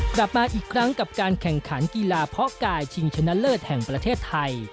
กลับมาอีกครั้งกับการแข่งขันกีฬาเพาะกายชิงชนะเลิศแห่งประเทศไทย